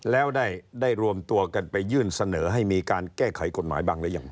แล้วได้รวมตัวกันไปยื่นเสนอให้มีการแก้ไขกฎหมายบ้างหรือยัง